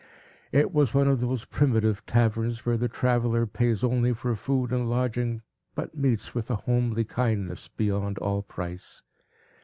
It was one of those primitive taverns, where the traveller pays only for food and lodging, but meets with a homely kindness, beyond all price.